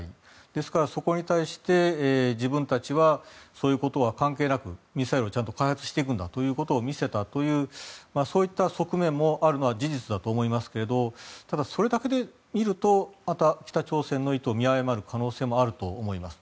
ですからそこに対して自分たちはそういうことは関係なくミサイルを開発していくんだということを見せたというそういった側面もあるのは事実だと思いますがただ、それだけで見るとまた北朝鮮の意図を見誤る可能性もあります。